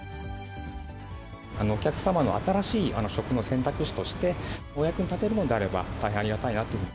お客様の新しい食の選択肢として、お役に立てるのであれば、大変ありがたいなと。